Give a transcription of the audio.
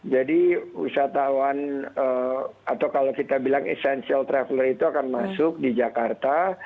jadi wisatawan atau kalau kita bilang essential traveler itu akan masuk di jakarta